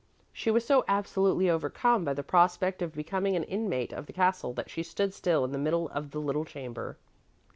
She was so absolutely overcome by the prospect of becoming an inmate of the castle that she stood still in the middle of the little chamber.